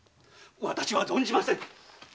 私は存じません。